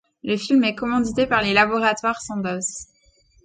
Le film est commandité par les Laboratoires Sandoz.